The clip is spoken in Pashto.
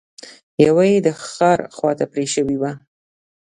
يوه يې د ښار خواته پرې شوې وه.